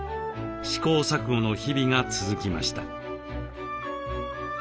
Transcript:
試行錯誤の日々が続きました。